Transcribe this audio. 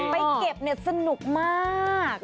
ไปเก็บเนี่ยสนุกมาก